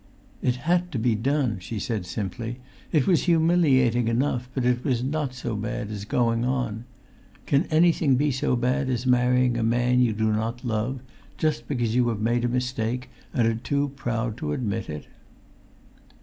"It had to be done," she said simply. "It was humiliating enough, but it was not so bad as going on ... Can anything be so bad as marrying a[Pg 357] man you do not love, just because you have made a mistake, and are too proud to admit it?"